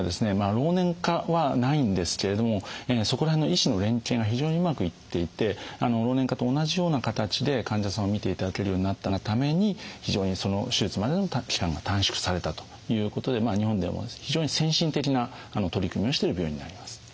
老年科はないんですけれどもそこら辺の医師の連携が非常にうまくいっていて老年科と同じような形で患者さんを診ていただけるようになったがために非常にその手術までの期間が短縮されたということで日本では非常に先進的な取り組みをしている病院になります。